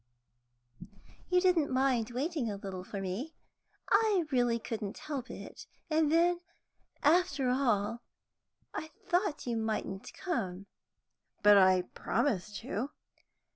"You didn't mind waiting a little for me? I really couldn't help it. And then, after all, I thought you mightn't come." "But I promised to."